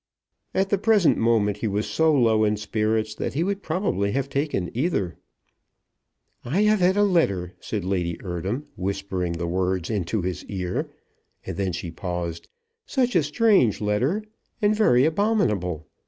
At the present moment he was so low in spirits that he would probably have taken either. "I have had a letter," said Lady Eardham, whispering the words into his ear; and then she paused. "Such a strange letter, and very abominable.